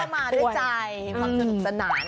แต่เขาไม่ก็มาด้วยใจความสนุกสนาน